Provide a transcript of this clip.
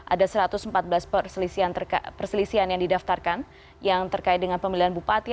ada satu ratus empat belas perselisihan yang didaftarkan yang terkait dengan pemilihan bupati